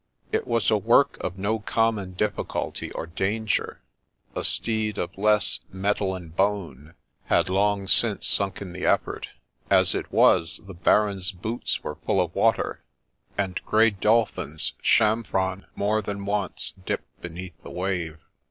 It was a work of no A LEGEND OF SHEPPEY 61 common difficulty or danger ; a steed of less ' mettle and bone ' had long since sunk in the effort : as it was, the Baron's boots were full of water, and Grey Dolphin's chamfrain more than once dipped beneath the wave.